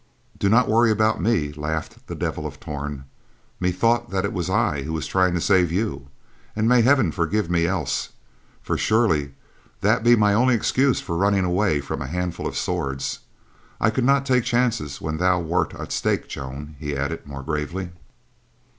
"Do not worry about me," laughed the Devil of Torn. "Methought that it was I who was trying to save you, and may heaven forgive me else, for surely, that be my only excuse for running away from a handful of swords. I could not take chances when thou wert at stake, Joan," he added more gravely.